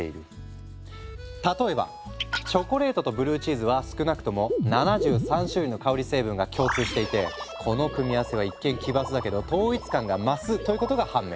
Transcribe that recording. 例えばチョコレートとブルーチーズは少なくとも７３種類の香り成分が共通していてこの組み合わせは一見奇抜だけど統一感が増すということが判明。